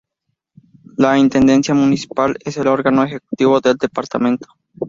La Intendencia Municipal es el órgano ejecutivo del departamento.